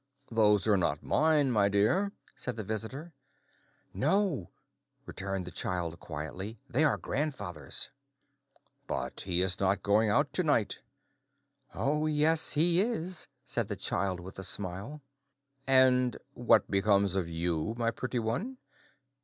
"Those are not mine, my dear," said the visitor. "No," returned the child quietly, "they are grandfather's." "But he is not going out to night." "Oh yes, he is," said the child with a smile. "And what becomes of you, my pretty one?"